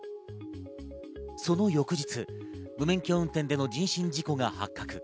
その翌日、無免許運転での人身事故が発覚。